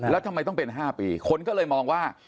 แล้วทำไมต้องเป็น๕ปีคนก็เลยมองว่า